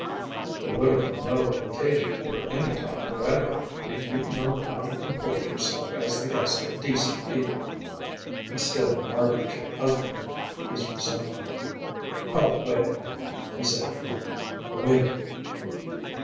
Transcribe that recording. "There would have been no occasion for any talk whatever if you'd known how to comport yourself as the guest of decent people." And still Marbridge husbanded his resentment. "Oh well!" he said, aggrieved "women!"